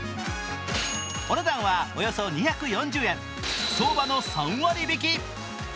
お値段はおよそ２４０円、相場の３割引。